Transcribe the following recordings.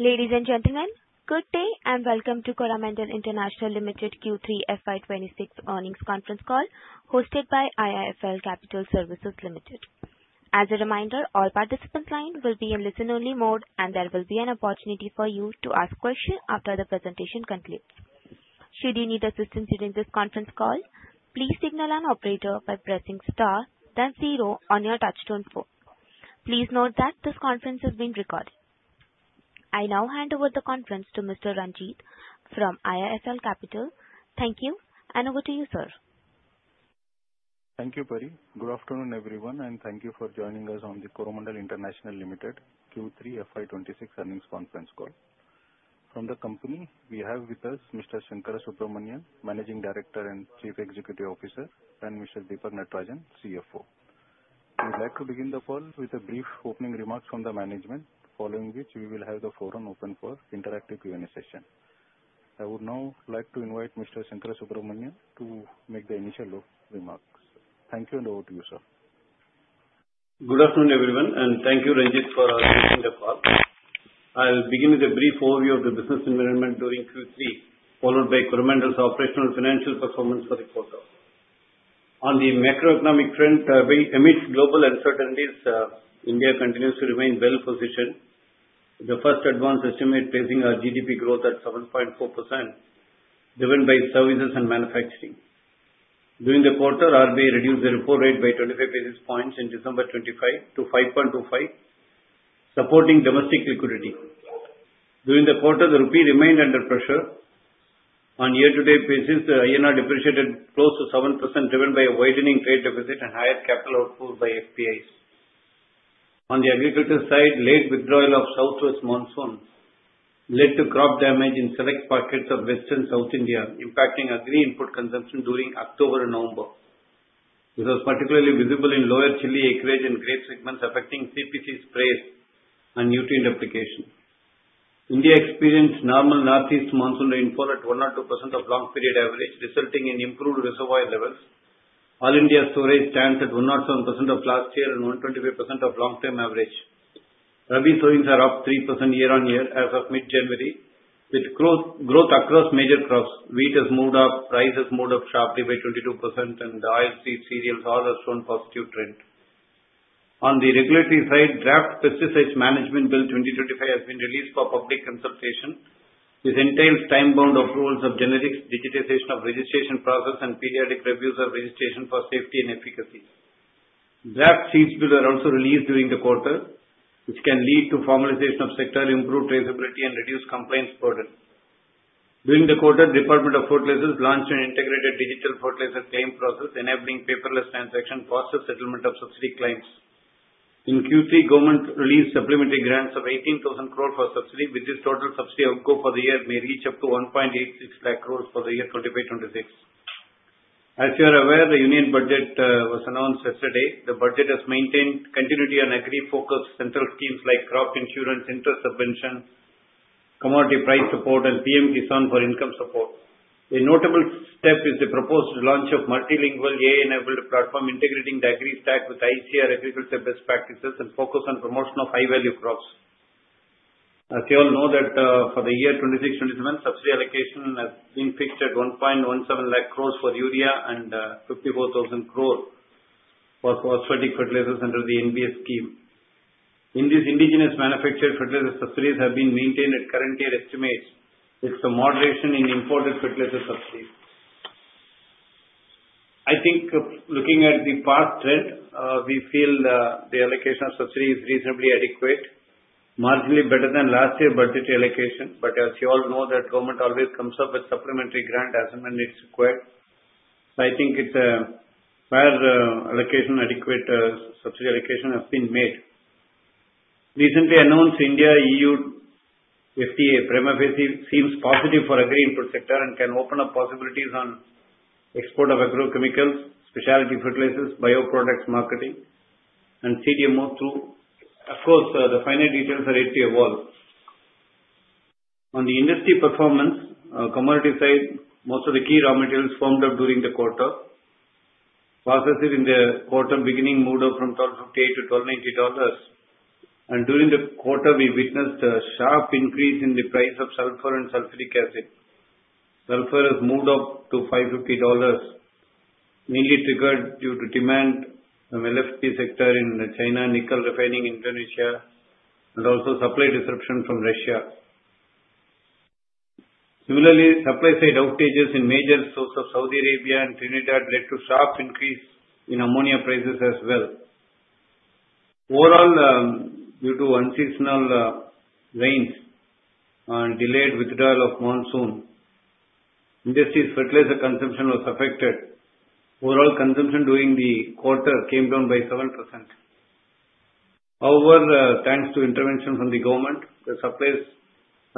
Ladies and gentlemen, good day and welcome to Coromandel International Limited Q3 FY 2026 earnings conference call hosted by IIFL Capital Services Limited. As a reminder, all participants' lines will be in listen-only mode, and there will be an opportunity for you to ask questions after the presentation concludes. Should you need assistance during this conference call, please signal an operator by pressing star, then zero on your touch-tone phone. Please note that this conference is being recorded. I now hand over the conference to Mr. Ranjit from IIFL Capital. Thank you, and over to you, sir. Thank you, Pari. Good afternoon, everyone, and thank you for joining us on the Coromandel International Limited Q3 FY 2026 earnings conference call. From the company, we have with us Mr. S. Sankarasubramanian, Managing Director and Chief Executive Officer, and Mr. Deepak Natarajan, CFO. We'd like to begin the call with a brief opening remark from the management, following which we will have the forum open for interactive Q&A session. I would now like to invite Mr. S. Sankarasubramanian to make the initial remarks. Thank you, and over to you, sir. Good afternoon, everyone, and thank you, Ranjit, for joining the call. I'll begin with a brief overview of the business environment during Q3, followed by Coromandel's operational financial performance for the quarter. On the macroeconomic front, amidst global uncertainties, India continues to remain well-positioned, with the first advanced estimate placing GDP growth at 7.4% driven by services and manufacturing. During the quarter, RBI reduced the repo rate by 25 basis points in December 2025 to 5.25, supporting domestic liquidity. During the quarter, the rupee remained under pressure. On year-to-date basis, the INR depreciated close to 7% driven by a widening trade deficit and higher capital outflows by FPIs. On the agriculture side, late withdrawal of Southwest Monsoon led to crop damage in select pockets of western South India, impacting agri input consumption during October and November. This was particularly visible in lower chili acreage and grape segments, affecting CPC sprays and nutrient application. India experienced normal Northeast Monsoon rainfall at 102% of long-period average, resulting in improved reservoir levels. All India storage stands at 107% of last year and 125% of long-term average. Rabi sowings are up 3% year-on-year as of mid-January, with growth across major crops. Wheat has moved up, rice has moved up sharply by 22%, and oilseed cereals all have shown positive trend. On the regulatory side, Draft Pesticide Management Bill 2025 has been released for public consultation, which entails time-bound approvals of generics, digitization of registration process, and periodic reviews of registration for safety and efficacy. Draft Seeds Bill are also released during the quarter, which can lead to formalization of sector, improved traceability, and reduced complaints burden. During the quarter, the Department of Fertilizers launched an integrated digital fertilizer claim process, enabling paperless transaction and prompt settlement of subsidy claims. In Q3, government released supplementary grants of 18,000 crore for subsidy, with this total subsidy outgo for the year may reach up to 186,000 crore for the year 2025-26. As you are aware, the Union Budget was announced yesterday. The budget has maintained continuity on agri-focused central schemes like crop insurance, interest subvention, commodity price support, and PM-KISAN for income support. A notable step is the proposed launch of multilingual AI-enabled platform integrating the AgriStack with ICAR agriculture best practices and focus on promotion of high-value crops. As you all know, for the year 2026-27, subsidy allocation has been fixed at 117,000 crore for urea and 54,000 crore for phosphatic fertilizers under the NBS scheme. In the indigenous manufactured fertilizer subsidies have been maintained at current year estimates with some moderation in imported fertilizer subsidies. I think looking at the past trend, we feel the allocation of subsidies is reasonably adequate, marginally better than last year budget allocation, but as you all know, government always comes up with supplementary grant as and when it's required. So I think fair allocation, adequate subsidy allocation has been made. Recently announced India-EU FTA promise seems positive for agri input sector and can open up possibilities on export of agrochemicals, specialty fertilizers, bio-products marketing, and CDMO through. Of course, the finer details are yet to evolve. On the industry performance, commodity side, most of the key raw materials firmed up during the quarter. Prices in the quarter beginning moved up from $1,258-$1,290, and during the quarter, we witnessed a sharp increase in the price of sulfur and sulfuric acid. Sulfur has moved up to $550, mainly triggered due to demand from LFP sector in China, nickel refining in Indonesia, and also supply disruption from Russia. Similarly, supply-side outages in major sources of Saudi Arabia and Trinidad led to sharp increase in ammonia prices as well. Overall, due to unseasonal rains and delayed withdrawal of monsoon, industry fertilizer consumption was affected. Overall consumption during the quarter came down by 7%. However, thanks to intervention from the government, the supplies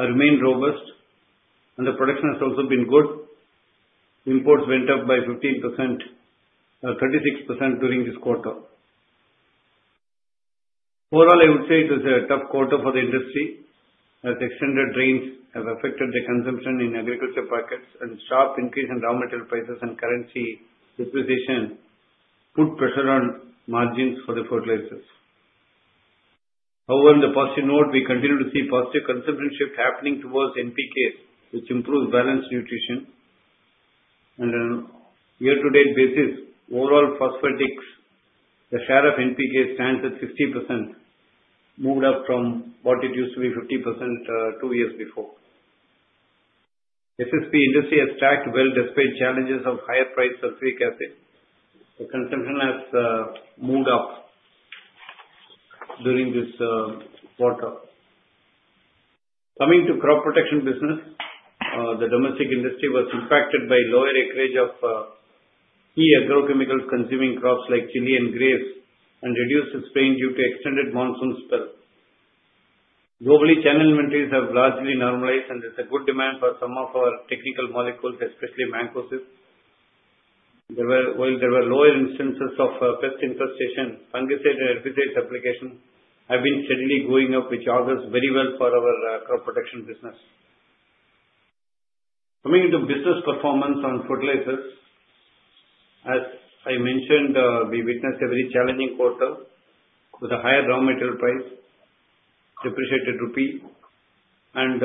have remained robust, and the production has also been good. Imports went up by 36% during this quarter. Overall, I would say it was a tough quarter for the industry as extended rains have affected the consumption in agricultural pockets, and sharp increase in raw material prices and currency depreciation put pressure on margins for the fertilizers. However, on the positive note, we continue to see positive consumption shift happening towards NPKs, which improves balanced nutrition. On a year-to-date basis, overall phosphatics, the share of NPKs stands at 60%, moved up from what it used to be 50% two years before. SSP industry has stacked well despite challenges of higher-priced sulfuric acid. The consumption has moved up during this quarter. Coming to crop protection business, the domestic industry was impacted by lower acreage of key agrochemicals consuming crops like chili and grapes and reduced rainfall due to extended monsoon spells. Globally, channel inventories have largely normalized, and there's a good demand for some of our technical molecules, especially mancozeb. While there were lower instances of pest infestation, fungicide and herbicide applications have been steadily going up, which augurs very well for our crop protection business. Coming into business performance on fertilizers, as I mentioned, we witnessed a very challenging quarter with a higher raw material price, depreciated rupee, and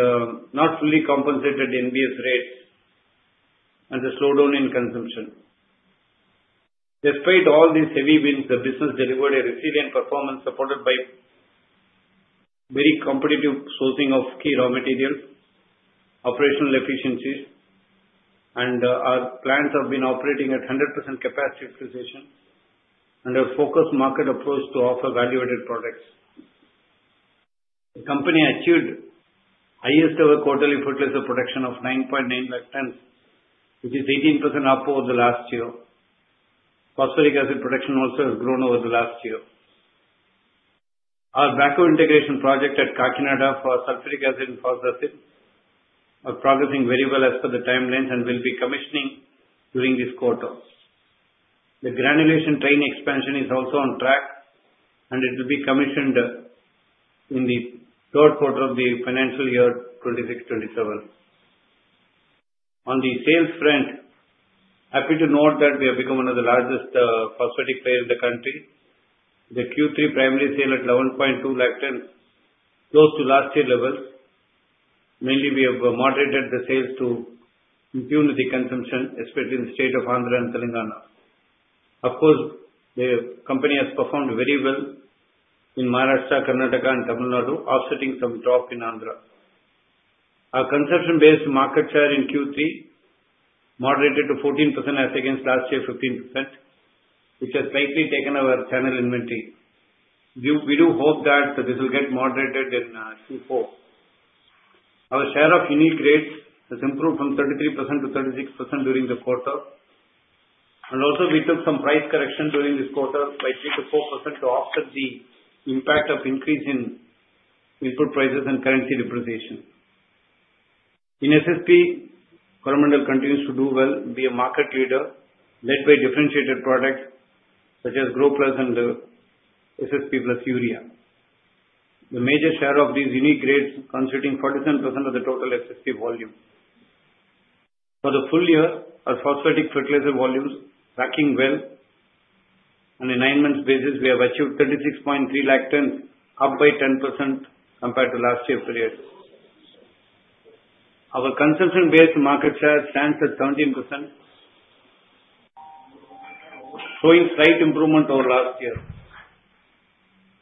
not fully compensated NBS rates, and a slowdown in consumption. Despite all these headwinds, the business delivered a resilient performance supported by very competitive sourcing of key raw materials, operational efficiencies, and our plants have been operating at 100% capacity utilization and a focused market approach to offer value-added products. The company achieved highest-ever quarterly fertilizer production of 990,000 tons, which is 18% up over the last year. Phosphoric acid production also has grown over the last year. Our backward integration project at Kakinada for sulfuric acid and phosphoric acid is progressing very well as per the timelines and will be commissioning during this quarter. The granulation train expansion is also on track, and it will be commissioned in the third quarter of the financial year 2026-27. On the sales front, happy to note that we have become one of the largest phosphatic players in the country. The Q3 primary sale at 1,120,000 tons, close to last year levels. Mainly, we have moderated the sales to improve the consumption, especially in the state of Andhra and Telangana. Of course, the company has performed very well in Maharashtra, Karnataka, and Tamil Nadu, offsetting some drop in Andhra. Our consumption-based market share in Q3 is moderated to 14% as against last year's 15%, which has likely taken over channel inventory. We do hope that this will get moderated in Q4. Our share of unique rates has improved from 33%-36% during the quarter, and also we took some price correction during this quarter by 3%-4% to offset the impact of increase in input prices and currency depreciation. In SSP, Coromandel continues to do well, be a market leader led by differentiated products such as GroPlus and SSP Plus Urea. The major share of these unique rates constituting 47% of the total SSP volume. For the full year, our phosphatic fertilizer volumes are tracking well, and on a 9-month basis, we have achieved 36.3 lakh tons, up by 10% compared to last year. Our consumption-based market share stands at 17%, showing slight improvement over last year.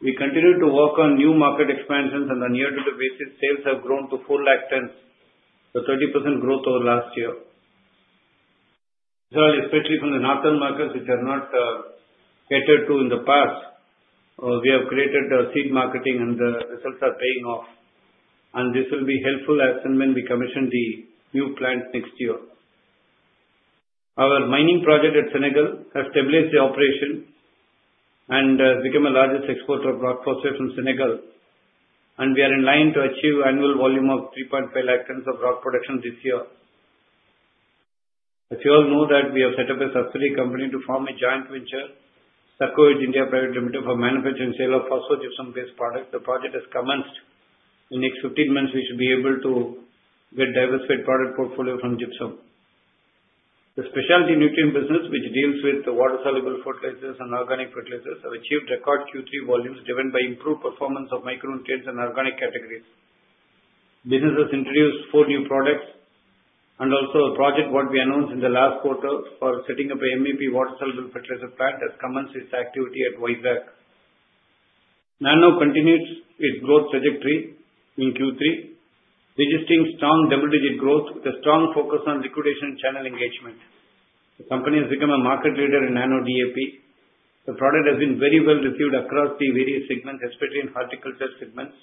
We continue to work on new market expansions, and on a year-to-date basis, sales have grown to 400,000 tons, 30% growth over last year. This is all especially from the northern markets, which are not catered to in the past. We have created seed marketing, and the results are paying off, and this will be helpful as and when we commission the new plants next year. Our mining project at Senegal has established the operation and has become the largest exporter of rock phosphate from Senegal, and we are in line to achieve annual volume of 350,000 tons of rock production this year. As you all know, we have set up a subsidiary company to form a joint venture, Saccoage India Private Limited, for manufacturing and sale of phosphogypsum-based products. The project has commenced. In the next 15 months, we should be able to get a diversified product portfolio from gypsum. The specialty nutrient business, which deals with water-soluble fertilizers and organic fertilizers, has achieved record Q3 volumes driven by improved performance of micronutrients and organic categories. The business has introduced 4 new products, and also a project that would be announced in the last quarter for setting up a MAP water-soluble fertilizer plant has commenced its activity at Visakhapatnam. Nano continues its growth trajectory in Q3, registering strong double-digit growth with a strong focus on liquidation channel engagement. The company has become a market leader in Nano DAP. The product has been very well received across the various segments, especially in horticulture segments.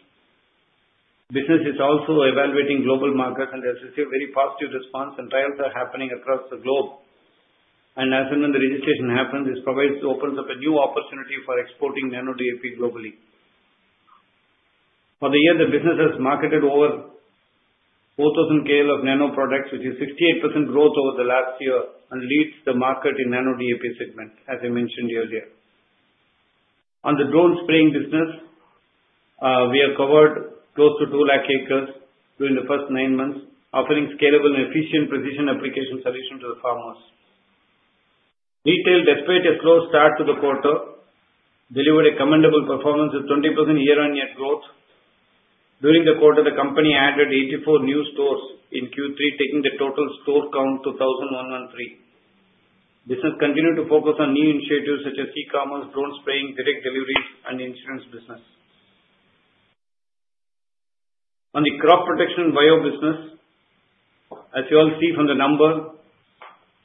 The business is also evaluating global markets, and has received a very positive response. Trials are happening across the globe, and as and when the registration happens, this opens up a new opportunity for exporting Nano DAP globally. For the year, the business has marketed over 4,000 kL of nano products, which is 68% growth over the last year and leads the market in Nano DAP segment, as I mentioned earlier. On the drone spraying business, we have covered close to 200,000 acres during the first 9 months, offering scalable and efficient precision application solutions to the farmers. Retail, despite a slow start to the quarter, delivered a commendable performance with 20% year-on-year growth. During the quarter, the company added 84 new stores in Q3, taking the total store count to 1,113. The business continued to focus on new initiatives such as e-commerce, drone spraying, direct deliveries, and insurance business. On the crop protection bio business, as you all see from the number,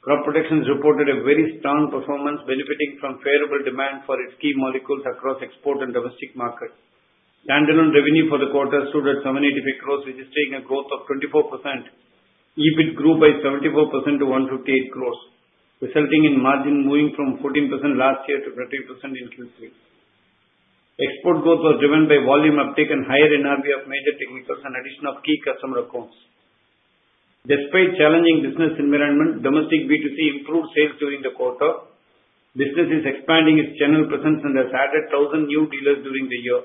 crop protection has reported a very strong performance, benefiting from favorable demand for its key molecules across export and domestic markets. Standalone revenue for the quarter stood at 785 crores, registering a growth of 24%. EBIT grew by 74% to 158 crores, resulting in margin moving from 14% last year to 30% in Q3. Export growth was driven by volume uptake and higher NRV of major technicals and addition of key customer accounts. Despite challenging business environment, domestic B2C improved sales during the quarter. The business is expanding its channel presence and has added 1,000 new dealers during the year.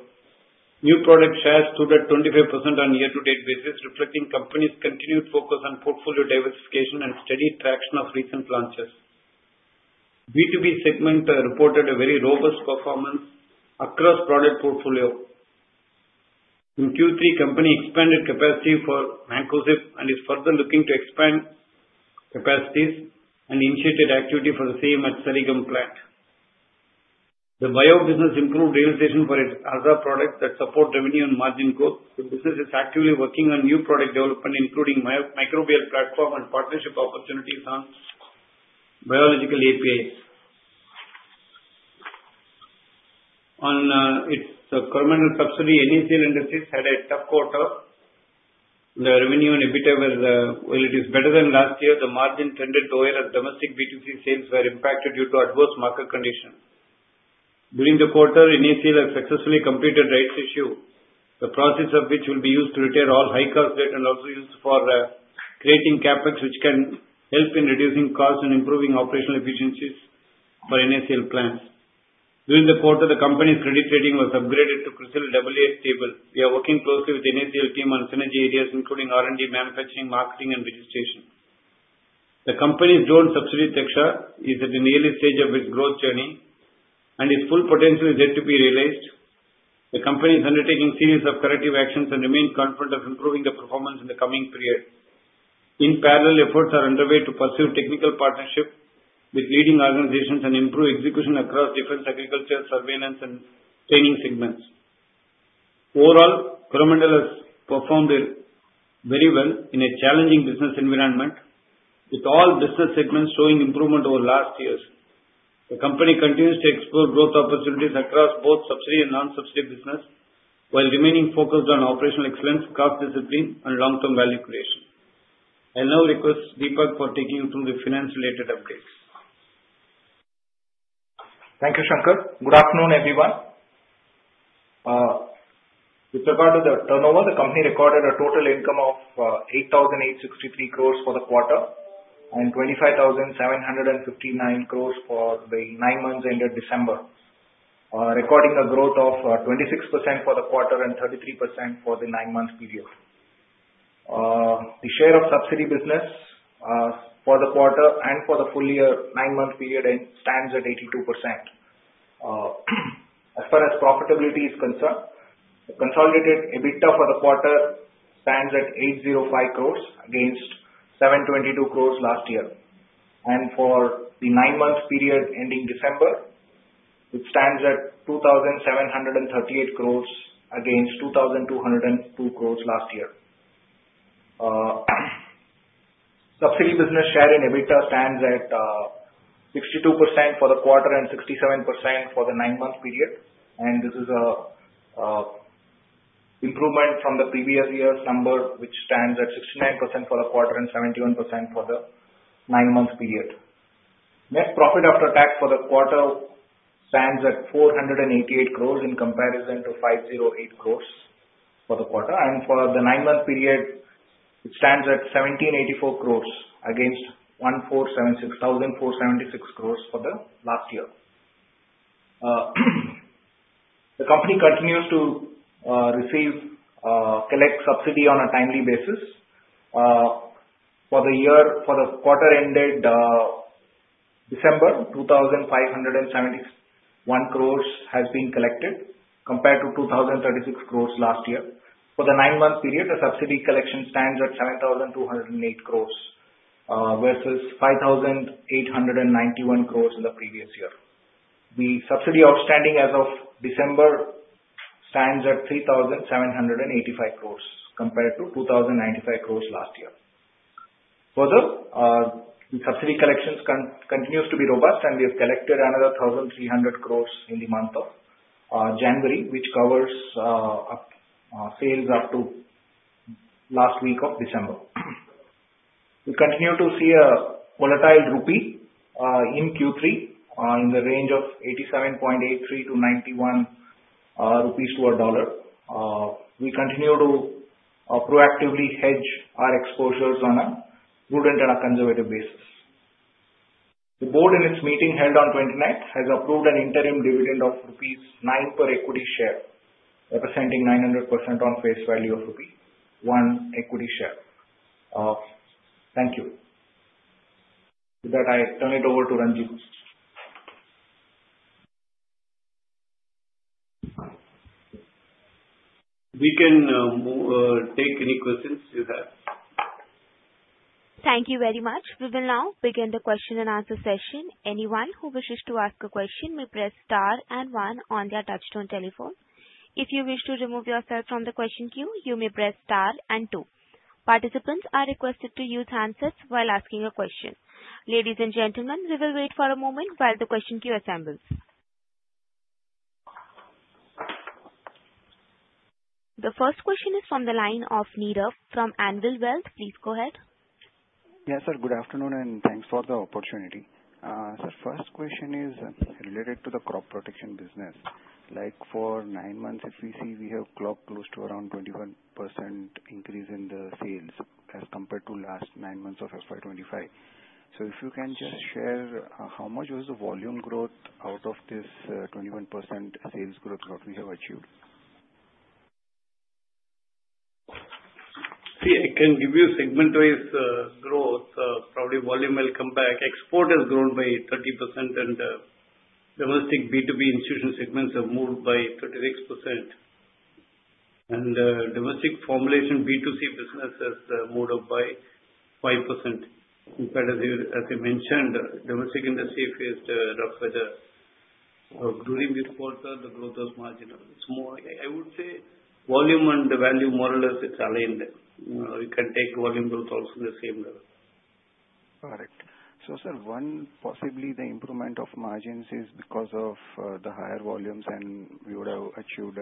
New product shares stood at 25% on a year-to-date basis, reflecting the company's continued focus on portfolio diversification and steady traction of recent launches. B2B segment reported a very robust performance across product portfolio. In Q3, the company expanded capacity for mancozeb and is further looking to expand capacities and initiated activity for the same at Sarigam plant. The bio business improved realization for its AZA products that support revenue and margin growth. The business is actively working on new product development, including microbial platform and partnership opportunities on biological APIs. On its subsidiary, NACL Industries had a tough quarter. The revenue and EBITDA were, while it is better than last year, the margin trended lower as domestic B2C sales were impacted due to adverse market conditions. During the quarter, NACL has successfully completed rights issue, the proceeds of which will be used to repay all high-cost and also used for creating CapEx, which can help in reducing costs and improving operational efficiencies for NACL plants. During the quarter, the company's credit rating was upgraded to CRISIL A1+ stable. We are working closely with the NACL team on synergy areas, including R&D, manufacturing, marketing, and registration. The company's drone subsidiary Dhaksha is at an early stage of its growth journey, and its full potential is yet to be realized. The company is undertaking a series of corrective actions and remains confident of improving the performance in the coming period. In parallel, efforts are underway to pursue technical partnership with leading organizations and improve execution across different agriculture, surveillance, and training segments. Overall, Coromandel has performed very well in a challenging business environment, with all business segments showing improvement over last years. The company continues to explore growth opportunities across both subsidy and non-subsidy business, while remaining focused on operational excellence, cost discipline, and long-term value creation. I now request Deepak for taking you through the finance-related updates. Thank you, Shankar. Good afternoon, everyone. With regard to the turnover, the company recorded a total income of 8,863 crores for the quarter and 25,759 crores for the nine months ended December, recording a growth of 26% for the quarter and 33% for the nine-month period. The share of subsidy business for the quarter and for the full year nine-month period stands at 82%. As far as profitability is concerned, the consolidated EBITDA for the quarter stands at 805 crores against 722 crores last year. And for the nine-month period ending December, it stands at 2,738 crores against 2,202 crores last year. Subsidy business share in EBITDA stands at 62% for the quarter and 67% for the nine-month period. And this is an improvement from the previous year's number, which stands at 69% for the quarter and 71% for the nine-month period. Net profit after tax for the quarter stands at 488 crore in comparison to 508 crore for the quarter. For the 9-month period, it stands at 1,784 crore against 1,476 crore for the last year. The company continues to collect subsidy on a timely basis. For the quarter-ended December, 2,571 crore has been collected compared to 2,036 crore last year. For the 9-month period, the subsidy collection stands at 7,208 crore versus 5,891 crore in the previous year. The subsidy outstanding as of December stands at 3,785 crore compared to 2,095 crore last year. Further, the subsidy collections continue to be robust, and we have collected another 1,300 crore in the month of January, which covers sales up to last week of December. We continue to see a volatile rupee in Q3 in the range of 87.83-91 rupees per dollar. We continue to proactively hedge our exposures on a prudent and a conservative basis. The board, in its meeting held on 29th, has approved an interim dividend of rupees 9 per equity share, representing 900% on face value of rupee one equity share. Thank you. With that, I turn it over to Ranjit. We can take any questions you have. Thank you very much. We will now begin the question and answer session. Anyone who wishes to ask a question may press star and one on their touch-tone telephone. If you wish to remove yourself from the question queue, you may press star and two. Participants are requested to use handsets while asking a question. Ladies and gentlemen, we will wait for a moment while the question queue assembles. The first question is from the line of Nirav from Anvil Wealth. Please go ahead. Yes, sir. Good afternoon, and thanks for the opportunity. Sir, the first question is related to the crop protection business. For nine months, if we see we have clocked close to around 21% increase in the sales as compared to last nine months of FY 2025. So if you can just share how much was the volume growth out of this 21% sales growth that we have achieved? See, I can give you segment-wise growth. Probably volume will come back. Export has grown by 30%, and domestic B2B institution segments have moved by 36%. Domestic formulation B2C business has moved up by 5%. As I mentioned, domestic industry faced rough weather. During this quarter, the growth was marginal. I would say volume and the value, more or less, it's aligned. We can take volume growth also in the same level. Correct. So, sir, possibly the improvement of margins is because of the higher volumes, and we would have achieved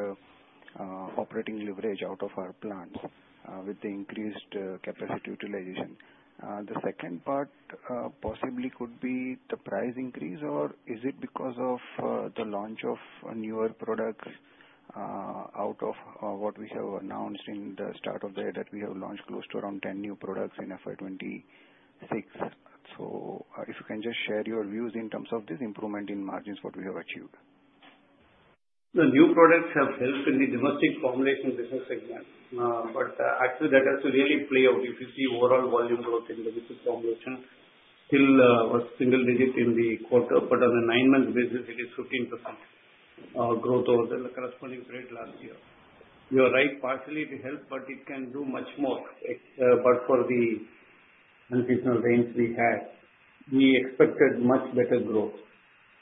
operating leverage out of our plants with the increased capacity utilization. The second part possibly could be the price increase, or is it because of the launch of newer products out of what we have announced in the start of the year that we have launched close to around 10 new products in FY 2026? So if you can just share your views in terms of this improvement in margins, what we have achieved. The new products have helped in the domestic formulation business segment. But actually, that has to really play out. If you see overall volume growth in the domestic formulation, it still was single digit in the quarter, but on a 9-month basis, it is 15% growth over the corresponding period last year. You are right, partially it helped, but it can do much more. But for the unseasonal range we had, we expected much better growth.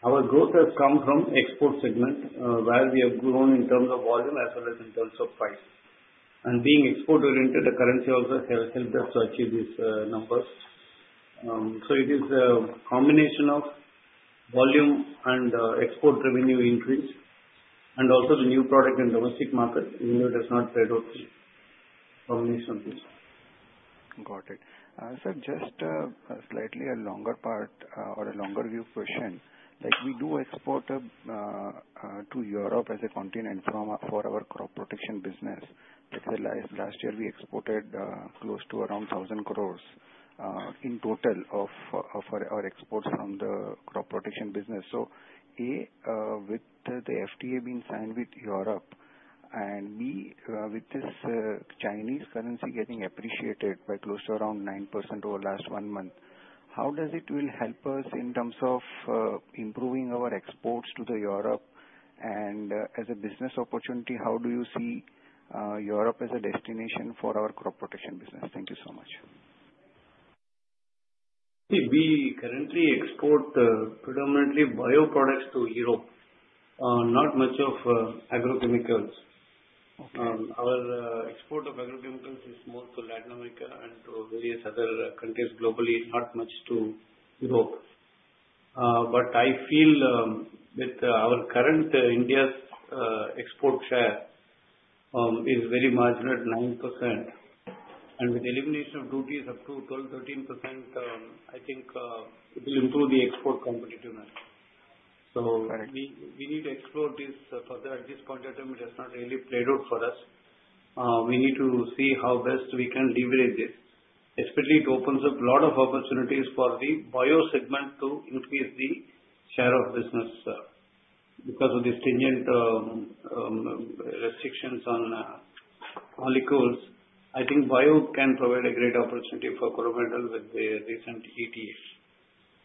Our growth has come from the export segment, where we have grown in terms of volume as well as in terms of price. And being export-oriented, the currency also has helped us to achieve these numbers. So it is a combination of volume and export revenue increase, and also the new product in the domestic market, even though it has not spread out too. Combination of these. Got it. Sir, just slightly a longer part or a longer view question. We do export to Europe as a continent for our crop protection business. Last year, we exported close to around 1,000 crore in total of our exports from the crop protection business. So A, with the FTA being signed with Europe, and B, with this Chinese currency getting appreciated by close to around 9% over the last one month, how does it will help us in terms of improving our exports to Europe? And as a business opportunity, how do you see Europe as a destination for our crop protection business? Thank you so much. See, we currently export predominantly bioproducts to Europe. Not much of agrochemicals. Our export of agrochemicals is more to Latin America and to various other countries globally, not much to Europe. But I feel with our current India's export share is very marginal at 9%. And with elimination of duties up to 12%-13%, I think it will improve the export competitiveness. So we need to explore this further. At this point in time, it has not really played out for us. We need to see how best we can leverage this, especially it opens up a lot of opportunities for the bio segment to increase the share of business because of these stringent restrictions on molecules. I think bio can provide a great opportunity for Coromandel with the recent FTA.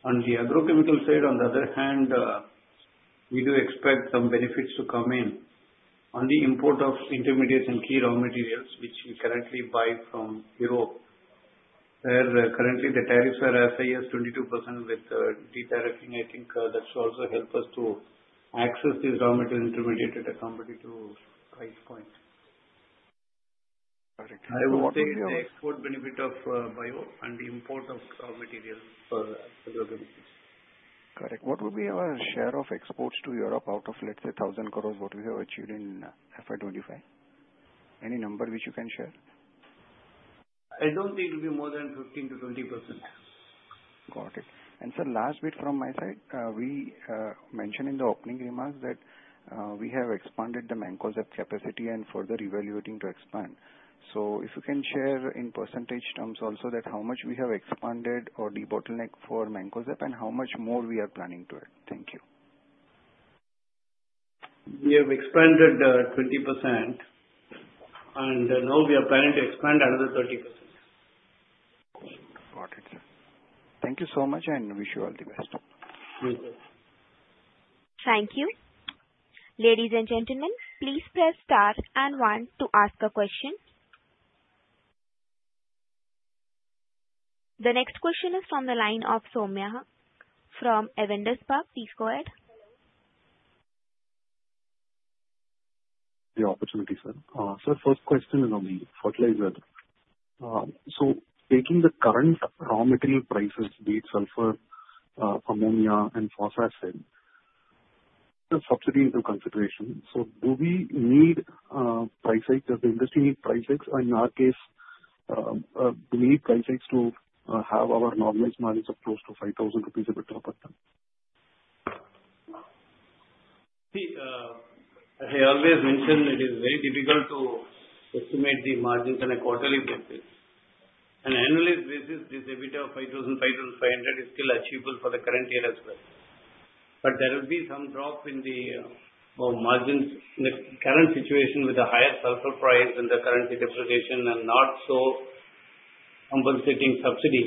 On the agrochemical side, on the other hand, we do expect some benefits to come in on the import of intermediates and key raw materials, which we currently buy from Europe. Currently, the tariffs are as high as 22% with detariffing. I think that should also help us to access these raw materials intermediates at a competitive price point. Correct. I would say the export benefit of bio and the import of raw materials for agrochemicals. Correct. What would be our share of exports to Europe out of, let's say, 1,000 crore, what we have achieved in FY 2025? Any number which you can share? I don't think it will be more than 15%-20%. Got it. And sir, last bit from my side, we mentioned in the opening remarks that we have expanded the mancozeb capacity and further evaluating to expand. So if you can share in percentage terms also how much we have expanded or debottleneck for mancozeb and how much more we are planning to add. Thank you. We have expanded 20%, and now we are planning to expand another 30%. Got it, sir. Thank you so much, and wish you all the best. You too. Thank you. Ladies and gentlemen, please press star and one to ask a question. The next question is from the line of Soumya from Avendus Spark. Please go ahead. Hello. The opportunity, sir. Sir, the first question is on the fertilizer. So taking the current raw material prices, be it sulfur, ammonia, and phosphorus subsidy into consideration, so do we need price hikes? Does the industry need price hikes? And in our case, do we need price hikes to have our normalized margins of close to 5,000 rupees EBITDA above them? See, I always mentioned it is very difficult to estimate the margins on a quarterly basis. On an annualized basis, this EBITDA of 5,000-5,500 is still achievable for the current year as well. But there will be some drop in the margins in the current situation with the higher sulfur price and the current depreciation and not so compensating subsidy.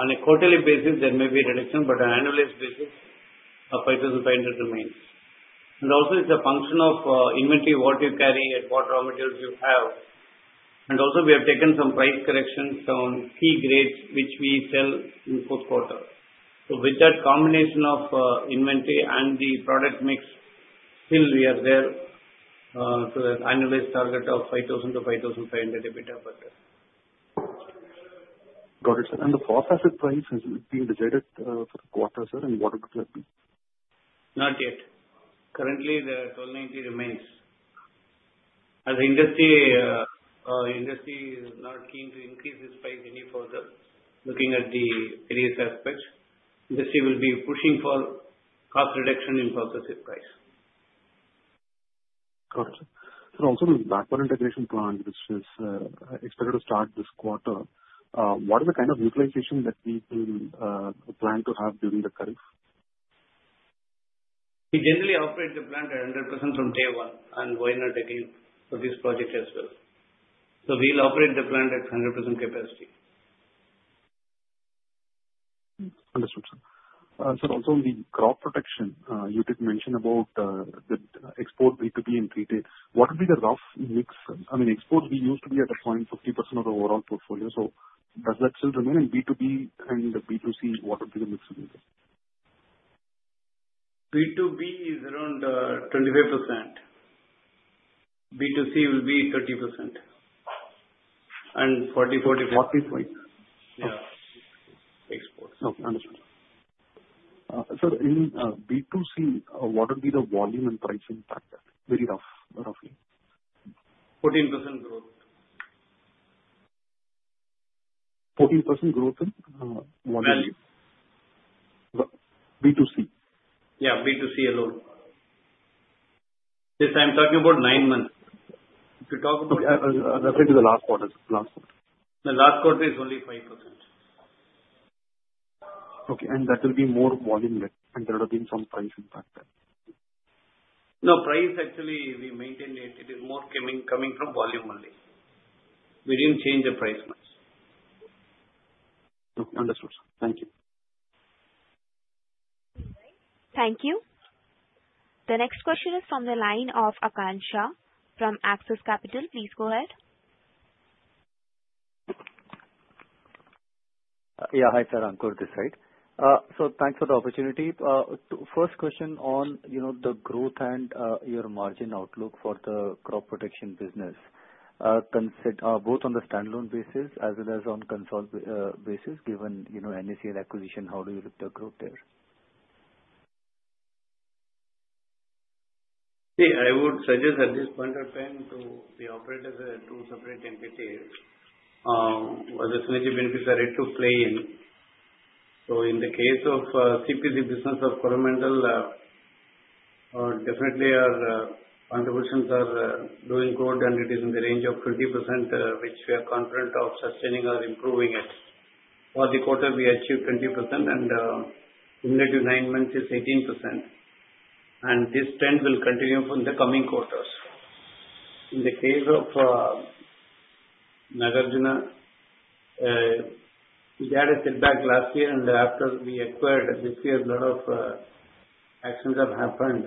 On a quarterly basis, there may be a reduction, but on an annualized basis, 5,500 remains. And also, it's a function of inventory, what you carry, and what raw materials you have. And also, we have taken some price corrections on key grades, which we sell in fourth quarter. So with that combination of inventory and the product mix, still we are there to an annualized target of 5,000-5,500 EBITDA above this. Got it, sir. And the phosphorus price, has it been decided for the quarter, sir, and what would that be? Not yet. Currently, the $1,290 remains. As the industry is not keen to increase its price any further, looking at the various aspects, the industry will be pushing for cost reduction in phosphorus price. Got it, sir. Sir, also the backward integration plant, which is expected to start this quarter, what is the kind of utilization that we will plan to have during the current? We generally operate the plant at 100% from day one, and why not again for this project as well? So we will operate the plant at 100% capacity. Understood, sir. Sir, also on the crop protection, you did mention about the export B2B and B2C. What would be the rough mix? I mean, exports used to be at one point 50% of the overall portfolio. So does that still remain? And B2B and B2C, what would be the mix of these? B2B is around 25%. B2C will be 30% and 40%-45%. 40, 45. Yeah. Exports. Okay. Understood, sir. Sir, in B2C, what would be the volume and pricing factor? Very roughly. 14% growth. 14% growth in volume? B2C. Yeah, B2C alone. This time, talking about nine months. If you talk about referring to the last quarter, sir. Last quarter. The last quarter is only 5%. Okay. And that will be more volume-led, and there will have been some price impact there? No, price, actually, we maintained it. It is more coming from volume only. We didn't change the price much. Okay. Understood, sir. Thank you. Thank you. The next question is from the line of Akansha from Axis Capital. Please go ahead. Yeah. Hi, sir. I'm Ankur this side. Thanks for the opportunity. First question on the growth and your margin outlook for the crop protection business, both on the standalone basis as well as on consolidated basis, given NACL acquisition, how do you look at the growth there? See, I would suggest at this point in time to be operating as two separate entities. As a synergy benefit, there is to play in. So in the case of CPC business of Coromandel, definitely our contributions are doing good, and it is in the range of 20%, which we are confident of sustaining or improving it. For the quarter, we achieved 20%, and in the next nine months, it's 18%. And this trend will continue in the coming quarters. In the case of Nagarjuna, we had a setback last year, and after we acquired, this year, a lot of actions have happened.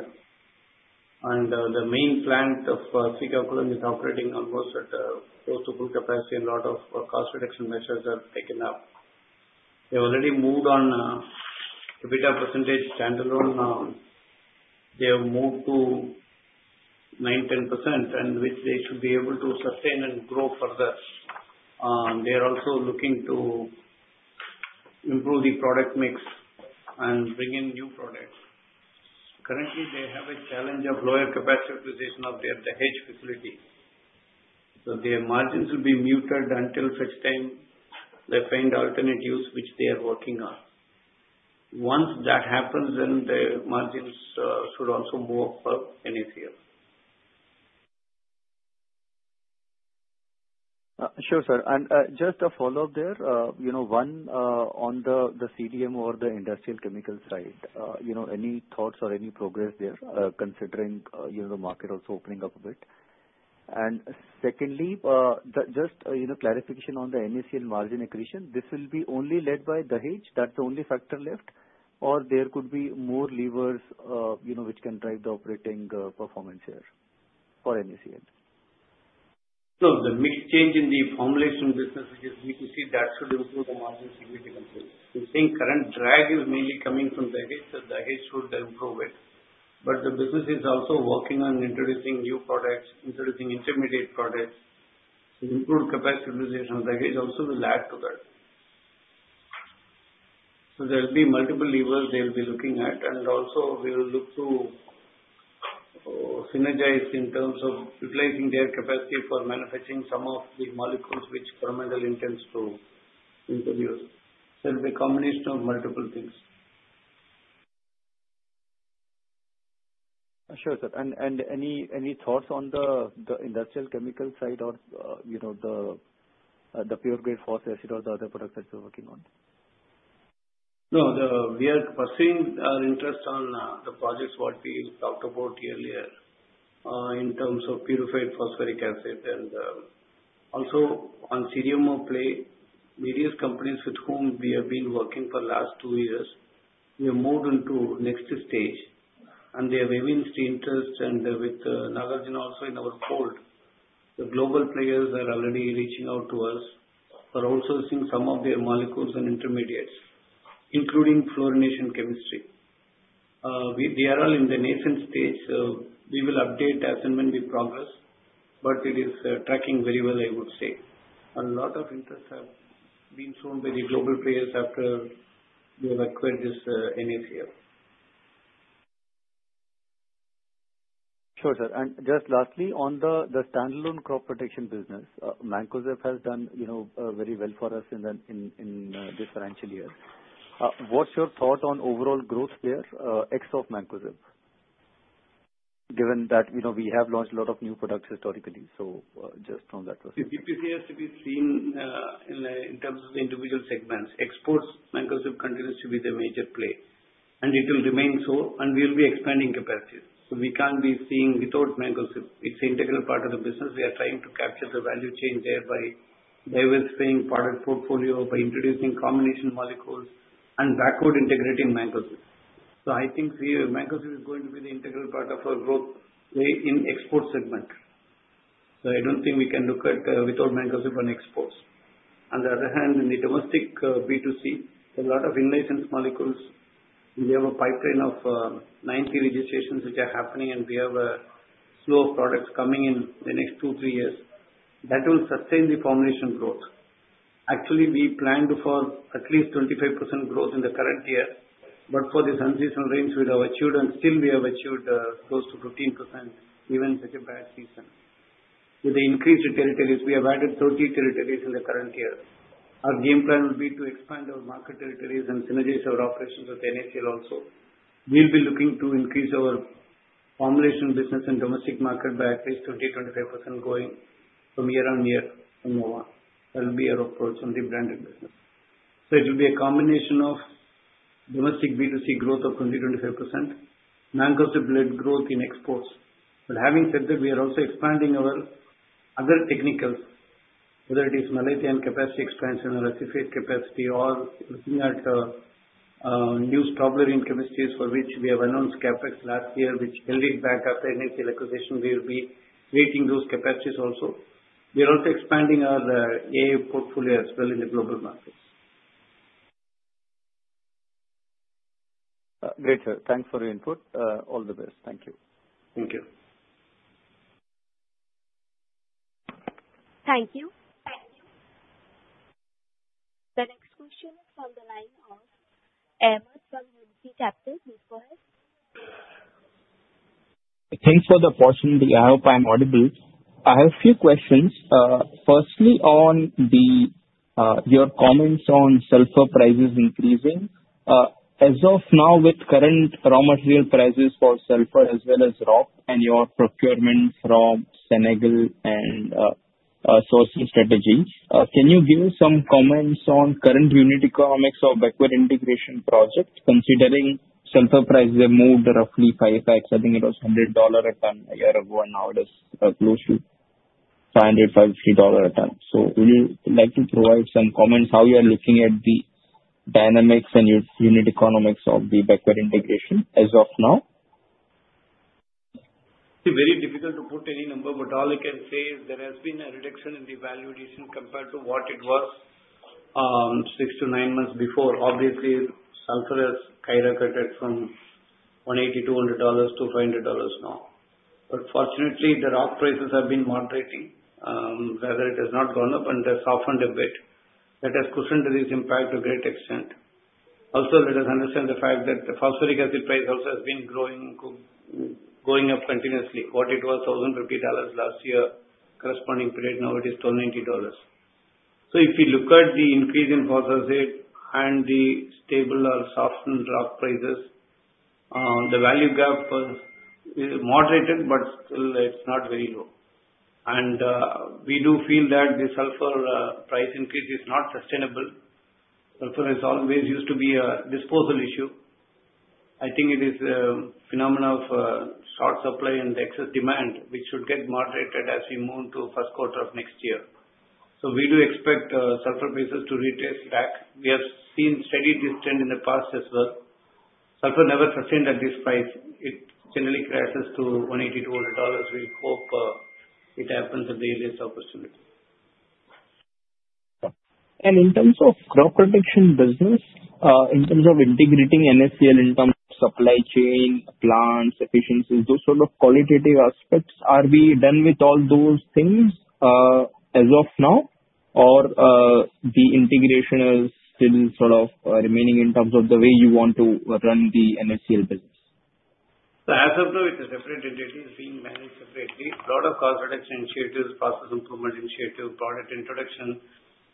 And the main plant of Srikakulam is operating almost at close to full capacity, and a lot of cost reduction measures are taken up. They've already moved on EBITDA percentage standalone. They have moved to 9%-10%, which they should be able to sustain and grow further. They are also looking to improve the product mix and bring in new products. Currently, they have a challenge of lower capacity utilization of their hedge facility. So their margins will be muted until such time they find alternate use, which they are working on. Once that happens, then the margins should also move up for NACL. Sure, sir. And just a follow-up there. One, on the CDMO or the industrial chemical side, any thoughts or any progress there considering the market also opening up a bit? And secondly, just clarification on the NACL margin accretion, this will be only led by the hedge. That's the only factor left. Or there could be more levers which can drive the operating performance here for NACL? No, the mix change in the formulation business, which is B2C, that should improve the margin significantly. We're saying current drag is mainly coming from the hedge. So the hedge should improve it. But the business is also working on introducing new products, introducing intermediate products. So improved capacity utilization, the hedge also will add to that. So there will be multiple levers they will be looking at. And also, we will look to synergize in terms of utilizing their capacity for manufacturing some of the molecules which Coromandel intends to introduce. So it will be a combination of multiple things. Sure, sir. Any thoughts on the industrial chemical side or the pure grade phosphoric acid or the other products that you're working on? No, we are pursuing our interest on the projects what we talked about earlier in terms of purified phosphoric acid. And also, on CDMO play, various companies with whom we have been working for the last two years, we have moved into next stage. And they have evinced interest, and with NACL also in our fold, the global players are already reaching out to us for outsourcing some of their molecules and intermediates, including fluorination chemistry. They are all in the nascent stage. We will update as and when we progress, but it is tracking very well, I would say. A lot of interest has been shown by the global players after we have acquired this NACL. Sure, sir. And just lastly, on the standalone crop protection business, mancozeb has done very well for us in this financial year. What's your thought on overall growth there, ex of mancozeb, given that we have launched a lot of new products historically? So just from that perspective. See, B2C has to be seen in terms of the individual segments. Exports, mancozeb continues to be the major play, and it will remain so, and we will be expanding capacity. So we can't be seeing without mancozeb. It's an integral part of the business. We are trying to capture the value chain there by diversifying product portfolio, by introducing combination molecules, and backward integrating mancozeb. So I think mancozeb is going to be the integral part of our growth in the export segment. So I don't think we can look at without mancozeb on exports. On the other hand, in the domestic B2C, there are a lot of in-license molecules. We have a pipeline of 90 registrations, which are happening, and we have a flow of products coming in the next two, three years. That will sustain the formulation growth. Actually, we planned for at least 25% growth in the current year, but for this unseasonal rains, we have achieved, and still we have achieved close to 15% even such a bad season. With the increased territories, we have added 30 territories in the current year. Our game plan will be to expand our market territories and synergize our operations with NACL also. We'll be looking to increase our formulation business and domestic market by at least 20%-25% going year-on-year from now on. That will be our approach on the branded business. So it will be a combination of domestic B2C growth of 20%-25%, mancozeb-led growth in exports. But having said that, we are also expanding our other technicals, whether it is Malathion capacity expansion or Acephate capacity, or looking at new strobilurin chemistries for which we have announced CapEx last year, which held it back after NACL acquisition. We will be rating those capacities also. We are also expanding our AI portfolio as well in the global markets. Great, sir. Thanks for your input. All the best. Thank you. Thank you. Thank you. The next question is from the line of Ahmad from NC Capital. Please go ahead. Thanks for the opportunity. I hope I'm audible. I have a few questions. Firstly, on your comments on sulfur prices increasing. As of now, with current raw material prices for sulfur as well as rock and your procurement from Senegal and sourcing strategies, can you give some comments on current unit economics of backward integration projects, considering sulfur prices have moved roughly 5X? I think it was $100 a ton a year ago, and now it is close to $500, $550 a ton. So would you like to provide some comments on how you are looking at the dynamics and unit economics of the backward integration as of now? See, very difficult to put any number, but all I can say is there has been a reduction in the valuation compared to what it was 6-9 months before. Obviously, sulfur has kind of cut from $180-$200 to $500 now. But fortunately, the rock prices have been moderating. While it has not gone up, and it has softened a bit. That has cushioned this impact to a great extent. Also, let us understand the fact that the phosphoric acid price also has been going up continuously. What it was, $1,050 last year, corresponding period, now it is $1,090. So if we look at the increase in phosphoric acid and the stable or softened rock prices, the value gap is moderated, but still it's not very low. And we do feel that the sulfur price increase is not sustainable. Sulfur has always used to be a disposal issue. I think it is a phenomenon of short supply and excess demand, which should get moderated as we move into the first quarter of next year. So we do expect sulfur prices to retrace back. We have seen this steady trend in the past as well. Sulfur never sustained at this price. It generally crashes to $180-$200. We hope it happens at the earliest opportunity. In terms of crop protection business, in terms of integrating NACL in terms of supply chain, plants, efficiencies, those sort of qualitative aspects, are we done with all those things as of now, or the integration is still sort of remaining in terms of the way you want to run the NACL business? So as of now, it's a separate entity. It's being managed separately. A lot of cost reduction initiatives, process improvement initiative, product introduction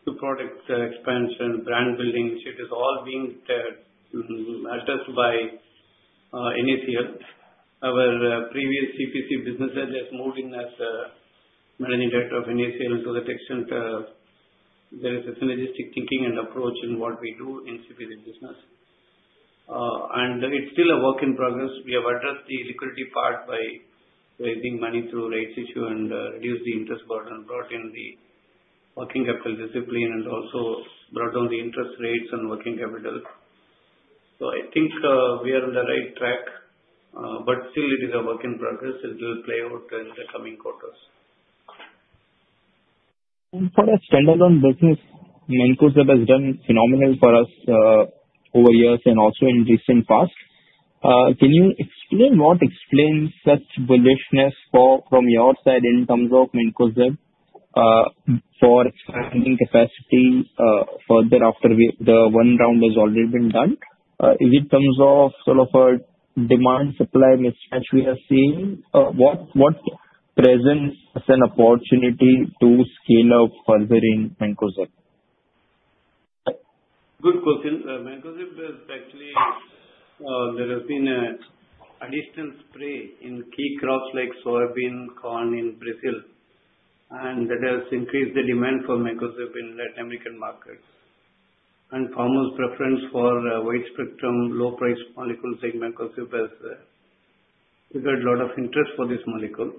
to product expansion, brand building initiatives, all being addressed by NACL. Our previous CPC business head has moved in as managing director of NACL to the extent there is a synergistic thinking and approach in what we do in CPC business. And it's still a work in progress. We have addressed the liquidity part by raising money through rights issue and reduced the interest burden, brought in the working capital discipline, and also brought down the interest rates on working capital. So I think we are on the right track, but still it is a work in progress. It will play out in the coming quarters. For a standalone business, mancozeb has done phenomenal for us over years and also in recent past. Can you explain what explains such bullishness from your side in terms of mancozeb for expanding capacity further after the one round has already been done? Is it in terms of sort of a demand-supply mismatch we are seeing? What presents as an opportunity to scale up further in mancozeb? Good question. Mancozeb is actually there has been an additional spray in key crops like soybean, corn, in Brazil. And that has increased the demand for mancozeb in Latin American markets. And farmers' preference for wide-spectrum, low-price molecules like mancozeb has triggered a lot of interest for this molecule.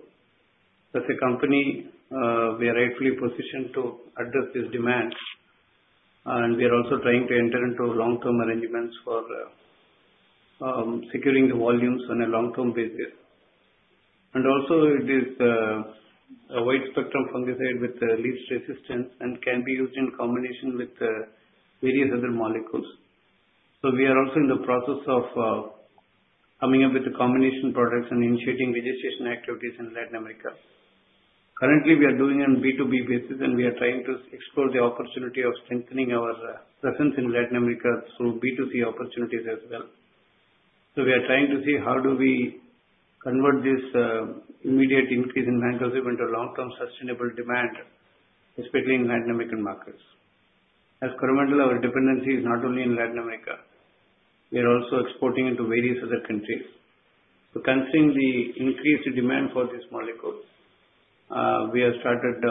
As a company, we are rightfully positioned to address this demand. And we are also trying to enter into long-term arrangements for securing the volumes on a long-term basis. And also, it is a wide-spectrum fungicide with least resistance and can be used in combination with various other molecules. So we are also in the process of coming up with the combination products and initiating registration activities in Latin America. Currently, we are doing it on a B2B basis, and we are trying to explore the opportunity of strengthening our presence in Latin America through B2C opportunities as well. So we are trying to see how do we convert this immediate increase in mancozeb into long-term sustainable demand, especially in Latin American markets. As Coromandel, our dependency is not only in Latin America. We are also exporting into various other countries. So considering the increased demand for this molecule, we have started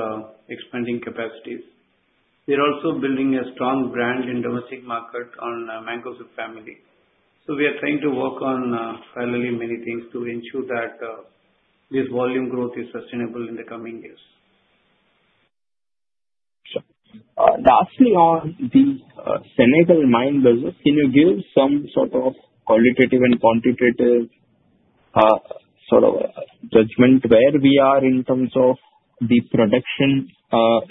expanding capacities. We are also building a strong brand in the domestic market on the mancozeb family. So we are trying to work on parallelly many things to ensure that this volume growth is sustainable in the coming years. Sure. Lastly, on the Senegal mine business, can you give some sort of qualitative and quantitative sort of judgment where we are in terms of the production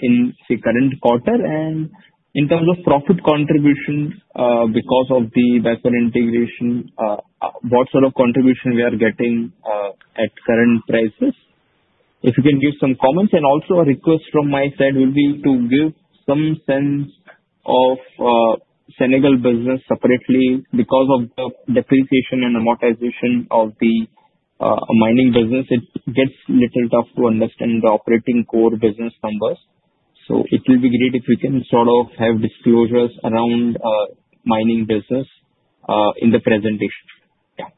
in the current quarter and in terms of profit contribution because of the backward integration? What sort of contribution we are getting at current prices? If you can give some comments. And also, a request from my side will be to give some sense of Senegal business separately because of the depreciation and amortization of the mining business. It gets a little tough to understand the operating core business numbers. So it will be great if you can sort of have disclosures around mining business in the presentation. Yeah.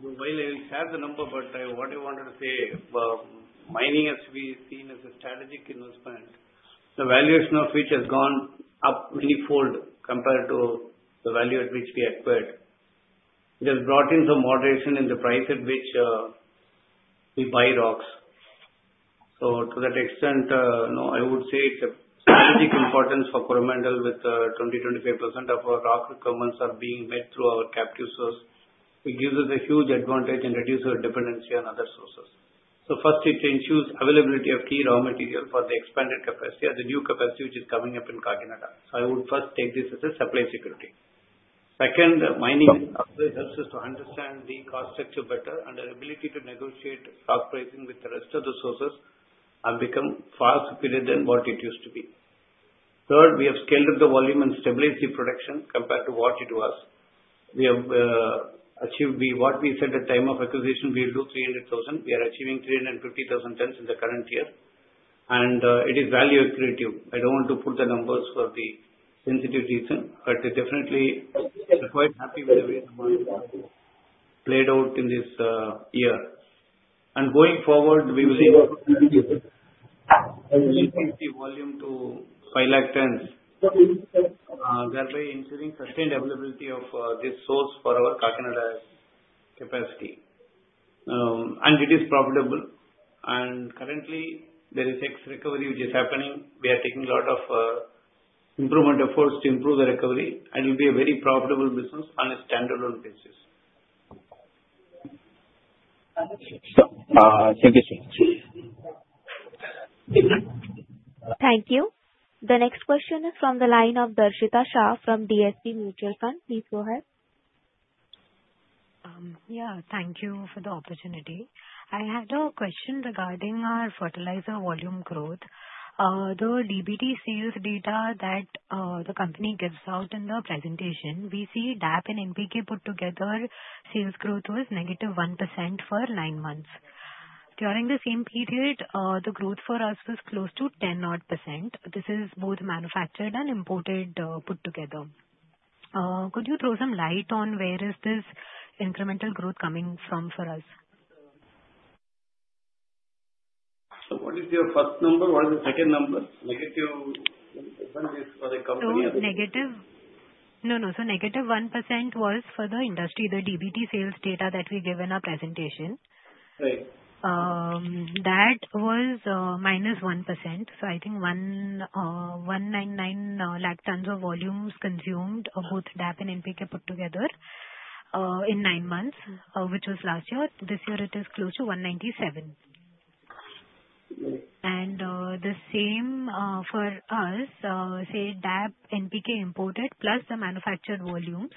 While I will have the number, but what I wanted to say, mining has been seen as a strategic investment, the valuation of which has gone up many fold compared to the value at which we acquired. It has brought in some moderation in the price at which we buy rocks. So to that extent, I would say it's of strategic importance for Coromandel with 20%-25% of our rock requirements being met through our captive source. It gives us a huge advantage and reduces our dependency on other sources. So first, it ensures availability of key raw material for the expanded capacity, the new capacity which is coming up in Kakinada. So I would first take this as a supply security. Second, mining helps us to understand the cost structure better, and our ability to negotiate rock pricing with the rest of the sources has become far superior than what it used to be. Third, we have scaled up the volume and stabilized the production compared to what it was. What we said at the time of acquisition, we will do 300,000. We are achieving 350,000 tons in the current year. And it is value accretive. I don't want to put the numbers for the sensitive reason, but we are definitely quite happy with the way the mine has played out in this year. And going forward, we will increase the volume to 500,000 tons, thereby ensuring sustained availability of this source for our Kakinada capacity. And it is profitable. And currently, there is ore recovery which is happening. We are taking a lot of improvement efforts to improve the recovery. It will be a very profitable business on a standalone basis. Thank you, sir. Thank you. The next question is from the line of Darshita Shah from DSP Mutual Fund. Please go ahead. Yeah. Thank you for the opportunity. I had a question regarding our fertilizer volume growth. The DBT sales data that the company gives out in the presentation, we see DAP and NPK put together, sales growth was -1% for nine months. During the same period, the growth for us was close to 10 odd percent. This is both manufactured and imported put together. Could you throw some light on where is this incremental growth coming from for us? What is your first number? What is the second number? -1% is for the company? No, no. So -1% was for the industry, the DBT sales data that we gave in our presentation. That was -1%. So I think 199 lakh tons of volumes consumed of both DAP and NPK put together in nine months, which was last year. This year, it is close to 197. And the same for us, say DAP, NPK imported, plus the manufactured volumes.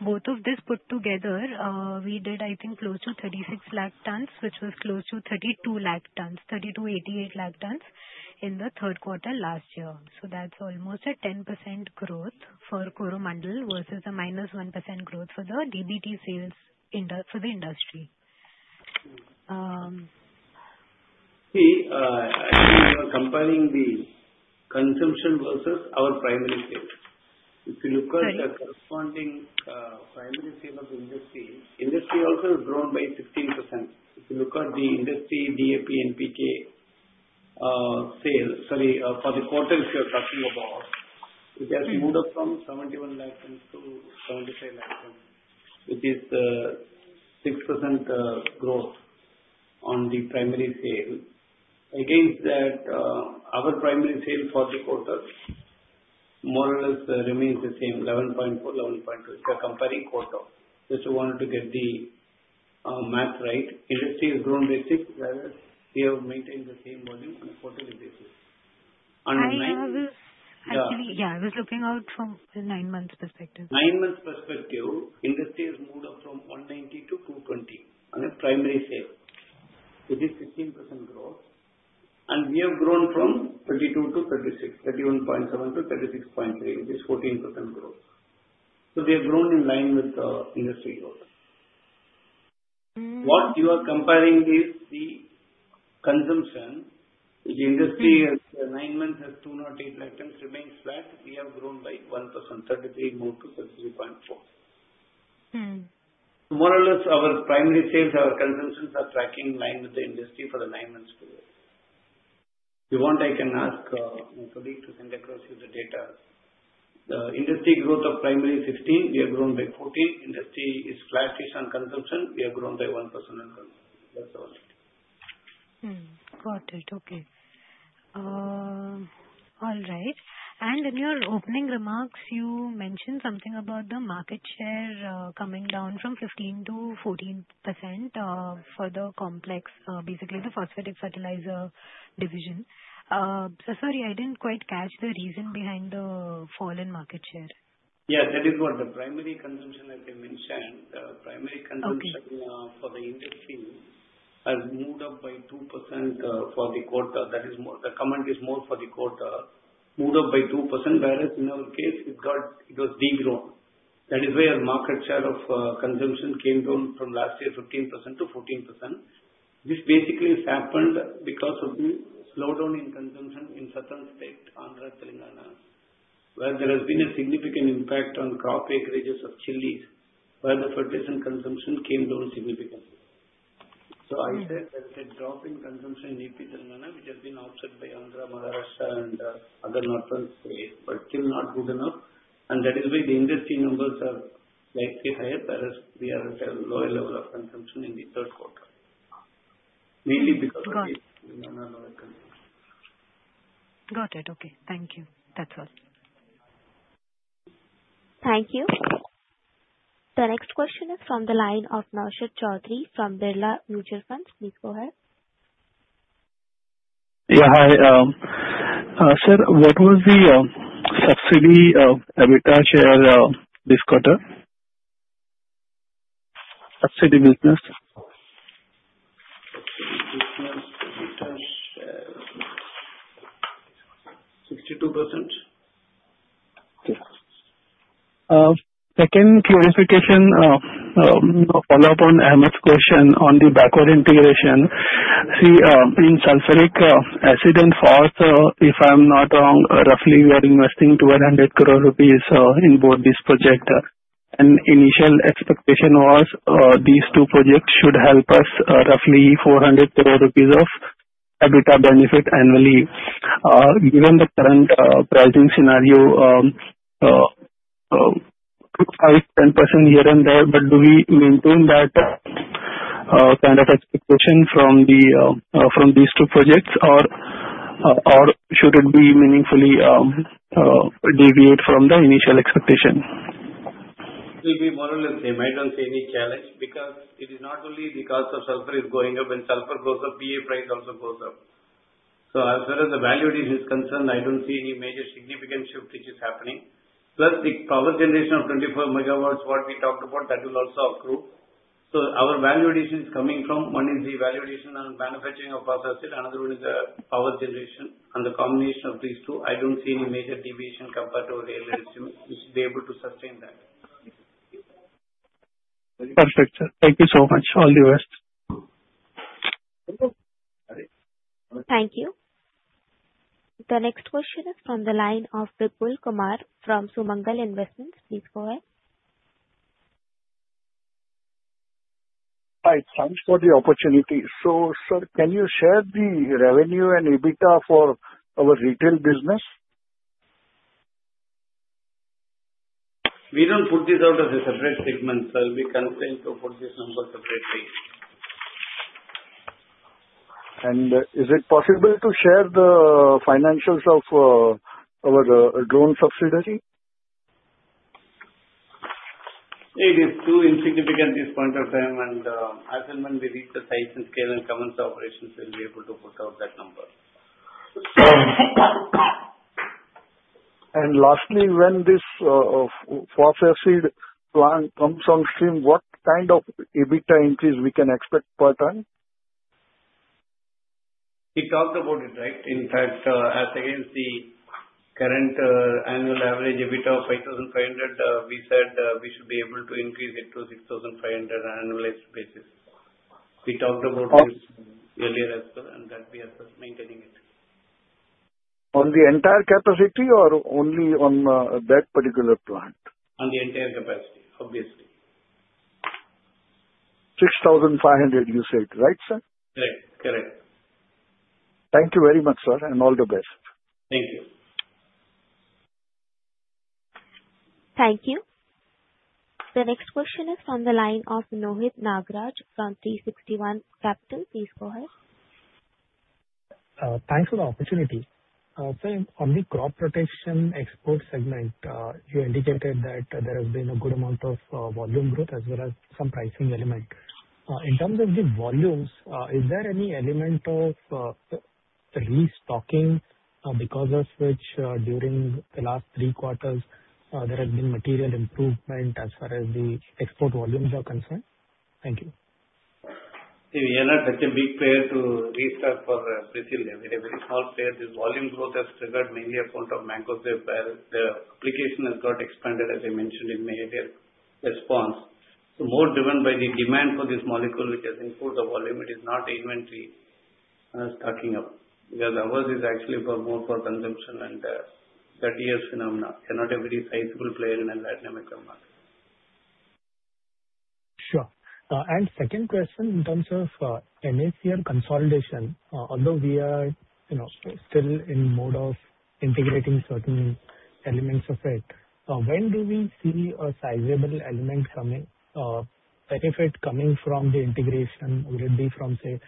Both of this put together, we did, I think, close to 36 lakh tons, which was close to 32 lakh tons, 32.88 lakh tons in the third quarter last year. So that's almost a 10% growth for Coromandel versus a -1% growth for the DBT sales for the industry. See, I think you are comparing the consumption versus our primary sales. If you look at the corresponding primary sale of the industry, industry also is grown by 15%. If you look at the industry DAP, NPK sales sorry, for the quarter if you are talking about, it has moved up from 71 lakh tons to 75 lakh tons, which is 6% growth on the primary sale. Against that, our primary sale for the quarter more or less remains the same, 11.4, 11.2. It's a comparing quarter. Just wanted to get the math right. Industry has grown by 6%. We have maintained the same volume on a quarterly basis. Actually, yeah. I was looking out from the nine-month perspective. Nine-month perspective, industry has moved up from 190-220 on a primary sale, which is 15% growth. And we have grown from 32-36, 31.7-36.3, which is 14% growth. So we have grown in line with the industry growth. What you are comparing is the consumption, which industry has nine months has 280,000 tons, remains flat. We have grown by 1%, 33-33.4. So more or less, our primary sales, our consumptions are tracking in line with the industry for the nine-month period. If you want, I can ask my colleague to send across you the data. The industry growth of primary is 15. We have grown by 14. Industry is flattest on consumption. We have grown by 1% on consumption. That's all. Got it. Okay. All right. And in your opening remarks, you mentioned something about the market share coming down from 15%-14% for the complex, basically the phosphatic fertilizer division. So sorry, I didn't quite catch the reason behind the fall in market share. Yes. That is what. The primary consumption, as I mentioned, the primary consumption for the industry has moved up by 2% for the quarter. That is more the comment is more for the quarter, moved up by 2%, whereas in our case, it was degrown. That is why our market share of consumption came down from last year 15%-14%. This basically has happened because of the slowdown in consumption in southern state, Andhra, Telangana, where there has been a significant impact on crop acreages of chilies, where the fertilizer consumption came down significantly. So I said there is a drop in consumption in AP, Telangana, which has been offset by Andhra, Maharashtra, and other northern states, but still not good enough. That is why the industry numbers are slightly higher, whereas we are at a lower level of consumption in the third quarter, mainly because of AP, Telangana lower consumption. Got it. Okay. Thank you. That's all. Thank you. The next question is from the line of Naushad Chaudhary from Birla Mutual Funds. Please go ahead. Yeah. Hi. Sir, what was the subsidy outgo share this quarter? Subsidy business. Business EBITDA share, 62%. Okay. Second clarification, follow-up on Ahmad's question on the backward integration. See, in sulfuric acid and phosphoric acid, if I'm not wrong, roughly, we are investing 1,200 crore rupees in both these projects. Initial expectation was these two projects should help us roughly 400 crore rupees of EBITDA benefit annually. Given the current pricing scenario, 5%-10% here and there, but do we maintain that kind of expectation from these two projects, or should it be meaningfully deviate from the initial expectation? See, it will be more or less the same. I don't see any challenge because it is not only because of sulfur is going up. When sulfur goes up, PA price also goes up. So as far as the valuation is concerned, I don't see any major significant shift which is happening. Plus, the power generation of 24 MW, what we talked about, that will also accrue. So our valuation is coming from one is the valuation on manufacturing of phosphoric acid, another one is the power generation. On the combination of these two, I don't see any major deviation compared to our real estimate. We should be able to sustain that. Perfect, sir. Thank you so much. All the best. Thank you. The next question is from the line of Vipul Kumar from Sumangal Investment. Please go ahead. Hi. Thanks for the opportunity. So, sir, can you share the revenue and EBITDA for our retail business? We don't put this out as a separate segment, sir. We are constrained to put this number separately. Is it possible to share the financials of our drone subsidiary? It is too insignificant at this point of time. As and when we reach the size and scale and commensurate with operations, we will be able to put out that number. And lastly, when this phosphoric acid plant comes on stream, what kind of EBITDA increase can we expect per ton? We talked about it, right? In fact, as against the current annual average EBITDA of 5,500, we said we should be able to increase it to 6,500 on an annualized basis. We talked about this earlier as well, and that we are maintaining it. On the entire capacity or only on that particular plant? On the entire capacity, obviously. 6,500, you said, right, sir? Correct. Correct. Thank you very much, sir, and all the best. Thank you. Thank you. The next question is from the line of Rohit Nagraj from 360 ONE Asset. Please go ahead. Thanks for the opportunity. Sir, on the crop protection export segment, you indicated that there has been a good amount of volume growth as well as some pricing elements. In terms of the volumes, is there any element of restocking because of which during the last 3 quarters, there has been material improvement as far as the export volumes are concerned? Thank you. See, we are not such a big player to restock for Brazil. We are a very small player. This volume growth has triggered mainly on account of mancozeb. The application has got expanded, as I mentioned, in my earlier response. So more driven by the demand for this molecule, which has improved the volume; it is not the inventory stocking up because ours is actually more for consumption and that year's phenomenon. We are not a very sizable player in the Latin America market. Sure. And second question, in terms of BMCC consolidation, although we are still in mode of integrating certain elements of it, when do we see a sizable benefit coming from the integration? Will it be from, say,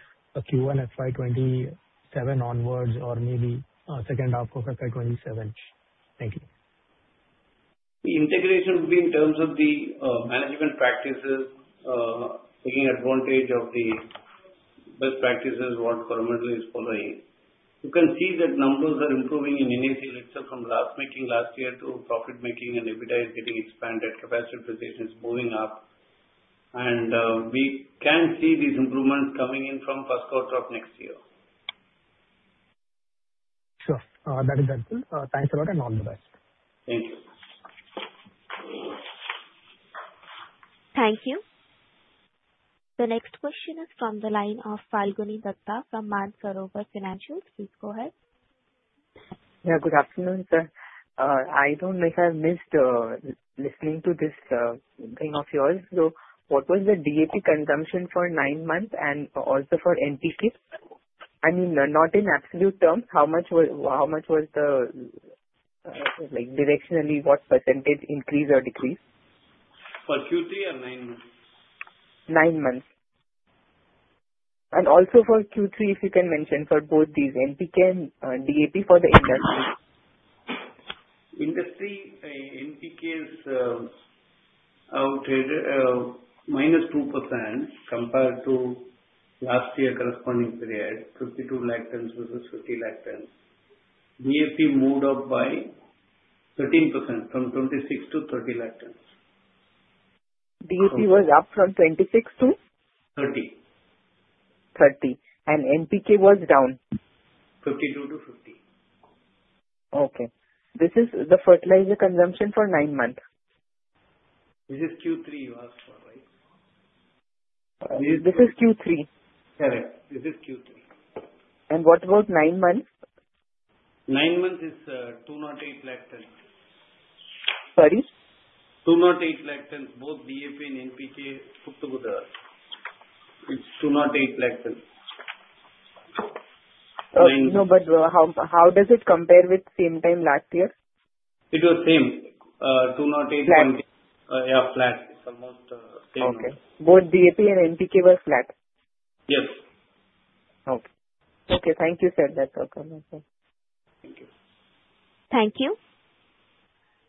Q1 FY 2027 onwards or maybe second half of FY 2027? Thank you. The integration would be in terms of the management practices, taking advantage of the best practices what Coromandel is following. You can see that numbers are improving in BMCC itself from loss-making last year to profit-making, and EBITDA is getting expanded. Capacity utilization is moving up. And we can see these improvements coming in from first quarter of next year. Sure. That is helpful. Thanks a lot and all the best. Thank you. Thank you. The next question is from the line of Falguni Dutta from Mansarovar Financials. Please go ahead. Yeah. Good afternoon, sir. I don't know if I missed listening to this thing of yours. So what was the DAP consumption for nine months and also for NPK? I mean, not in absolute terms, how much was the directionally, what percentage increase or decrease? For Q3 or nine months? Nine months. Also for Q3, if you can mention, for both these, NPK and DAP for the industry? Industry, NPK is overall -2% compared to last year corresponding period, 52 lakh tons versus 50 lakh tons. DAP moved up by 13% from 26 to 30 lakh tons. DAP was up from 26 to? 30. 30. NPK was down? 52-50. Okay. This is the fertilizer consumption for nine months. This is Q3 you asked for, right? This is Q3. Correct. This is Q3. What about nine months? Nine months is 280,000 tons. Sorry? 2.8 lakh tons, both DAP and NPK put together. It's 2.8 lakh tons. No, but how does it compare with same time last year? It was same, 2.8. Flat? Yeah, flat. It's almost same amount. Okay. Both DAP and NPK were flat? Yes. Okay. Okay. Thank you, sir. That's all. Thank you. Thank you.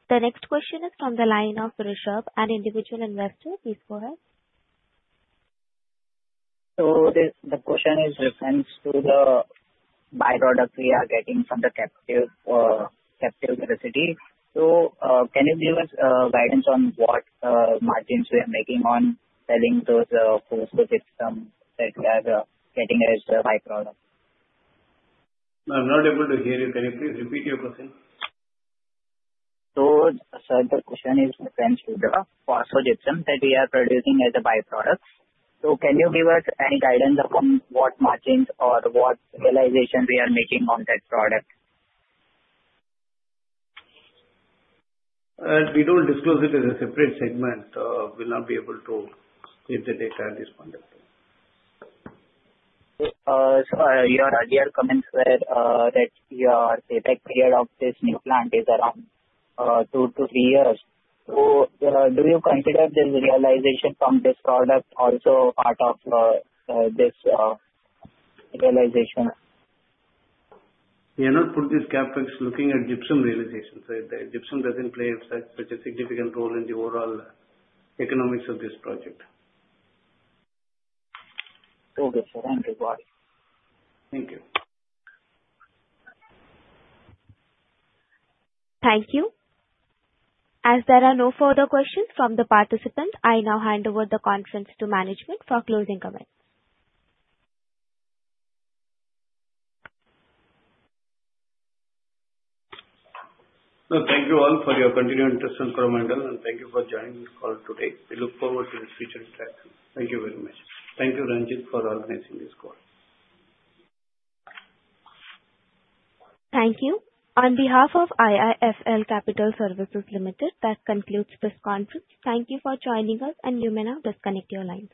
The next question is from the line of Rishabh, an individual investor. Please go ahead. The question is referring to the byproduct we are getting from the captive capacity. Can you give us guidance on what margins we are making on selling those phosphogypsum that we are getting as a byproduct? I'm not able to hear you. Can you please repeat your question? So, sir, the question is referring to the phosphogypsum that we are producing as a byproduct. So can you give us any guidance on what margins or what realization we are making on that product? We don't disclose it as a separate segment. We'll not be able to give the data at this point of time. Your earlier comments were that your payback period of this new plant is around 2-3 years. So do you consider this realization from this product also part of this realization? We are not putting this CapEx looking at gypsum realization. So gypsum doesn't play such a significant role in the overall economics of this project. Okay, sir. Thank you, Bobby. Thank you. Thank you. As there are no further questions from the participants, I now hand over the conference to management for closing comments. Thank you all for your continued interest in Coromandel, and thank you for joining this call today. We look forward to this future interaction. Thank you very much. Thank you, Ranjit, for organizing this call. Thank you. On behalf of IIFL Capital Services Limited, that concludes this conference. Thank you for joining us, and you may now disconnect your line.